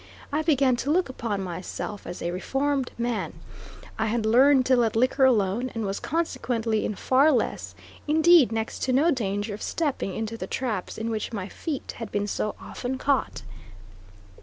I began to look upon myself as a reformed man; I had learned to let liquor alone, and was consequently in far less, indeed, next to no danger of stepping into the traps in which my feet had been so often caught.